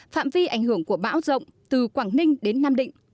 phạm vi ảnh hưởng của bão rộng từ quảng ninh đến nam định